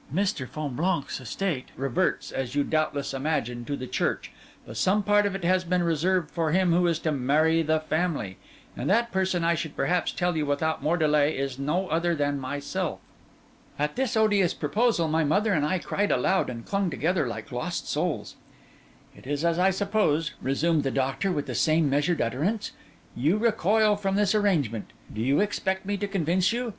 Mr. Fonblanque's estate reverts, as you doubtless imagine, to the Church; but some part of it has been reserved for him who is to marry the family; and that person, I should perhaps tell you without more delay, is no other than myself.' At this odious proposal my mother and I cried out aloud, and clung together like lost souls. 'It is as I supposed,' resumed the doctor, with the same measured utterance. 'You recoil from this arrangement. Do you expect me to convince you?